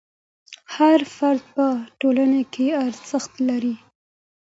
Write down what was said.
هر فرد په ټولنه کې ارزښت لري.